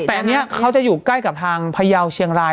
แต่อันนี้เขาจะอยู่ใกล้กับทางพยาวเชียงราย